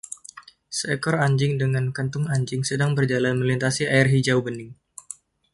Seekor anjing dengan kantung anjing sedang berjalan melintasi air hijau bening.